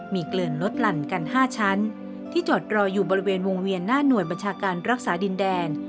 มีเกลิ่นลดหลั่นกัน๕ชั้นที่จอดรออยู่บริเวณวงเวียนหน้าหน่วยบัญชาการรักษาดินแดน